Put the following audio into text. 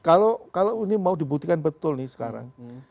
kalau ini mau dibuktikan betul nih sekarang